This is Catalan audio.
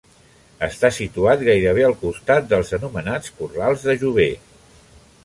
Està situat gairebé al costat dels anomenats corrals de Jover.